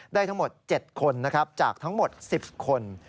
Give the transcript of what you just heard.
ได้ทั้งหมด๗คนนะครับจากทั้งหมด๑๐คน